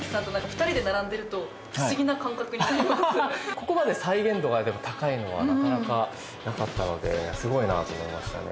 ここまで再現度が高いのはなかなかなかったのですごいなと思いましたね。